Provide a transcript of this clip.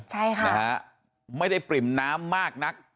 ใช่ค่ะนะฮะไม่ได้ปริ่มน้ำมากนัก